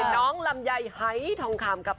น้องลำไยไฮทองคามกับ